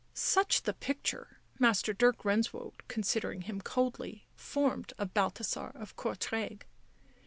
Such the picture, Master Dirk Renswoude, considering him coldly, formed of Balthasar of Courtrai.